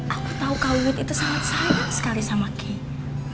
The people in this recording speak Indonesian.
aku tahu kak wit itu sangat sayang sekali sama kay